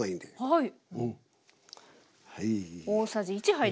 はい。